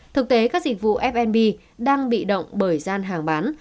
thực tế các dịch vụ fnb đang bị động bởi gian hàng bán